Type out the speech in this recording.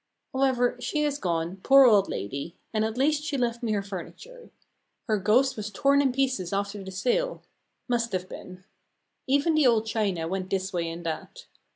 However, she is gone, poor old lady, and at least she left me her furniture. Her ghost was torn in pieces after the sale must have been. Even the old china went this way and that.